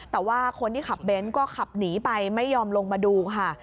แต่ว่าคนที่ขับเบนท์ก็ขับหนีไปไม่ยอมลงมาดูค่ะ